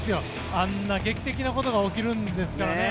あんな劇的なことが起きるんですからね。